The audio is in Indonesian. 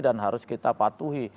dan harus kita patuhi